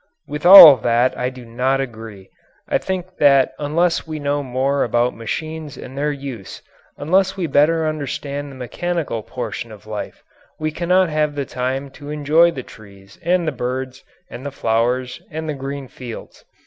With all of that I do not agree. I think that unless we know more about machines and their use, unless we better understand the mechanical portion of life, we cannot have the time to enjoy the trees, and the birds, and the flowers, and the green fields.